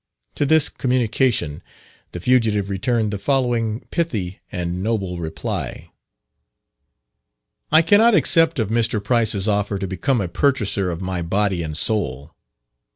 To this communication the fugitive returned the following pithy and noble reply: "I cannot accept of Mr. Price's offer to become a purchaser of my body and soul.